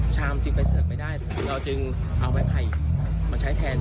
จริงไปเสิร์ฟไม่ได้เราจึงเอาไม้ไผ่มาใช้แทน